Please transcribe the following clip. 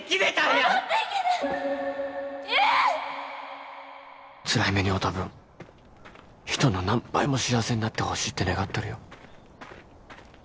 戻ってきて優！つらい目に遭うた分人の何倍も幸せになってほしいって願っとるよ